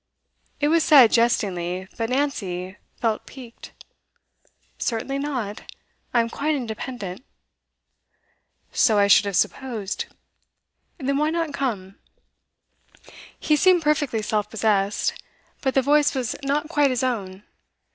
It was said jestingly, but Nancy felt piqued. 'Certainly not. I am quite independent.' 'So I should have supposed. Then why not come?' He seemed perfectly self possessed, but the voice was not quite his own.